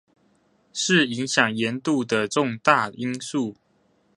是影響鹽度的重大因素